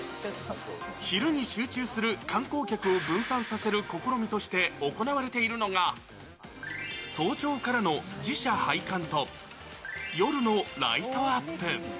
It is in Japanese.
昼に集中する観光客を分散させる試みとして行われているのが、早朝からの寺社拝観と、夜のライトアップ。